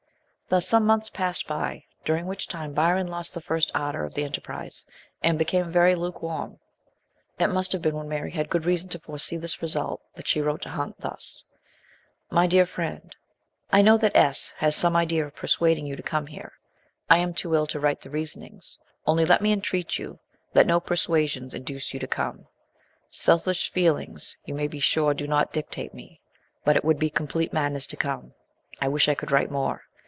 Thus some months passed by, during which time Byron lost the first ardour of the enterprise, and became very lukewarm. It must have been when Mary had good reason to foresee this result that she wrote to Hunt thus : MY DEAR FRIEND, I know that S. has some idea of persuading you to come here. I am too ill to write the reasonings, only let me entreat you let no persuasions induce you to come ; selfish feelings you may be sure do not dictate me, but it would be complete madness to come. I wish I could write more.